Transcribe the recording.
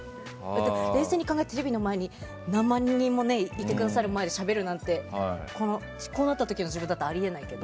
冷静に考えて、テレビの前には何万人もいてくださる前でしゃべるなんてこうなった時の自分だとあり得ないけど。